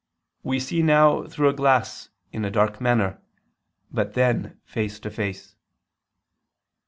13:12: "We see now through a glass in a dark manner; but then face to face."